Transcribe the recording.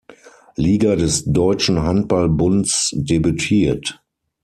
Liga des Deutschen Handball Bunds debütiert.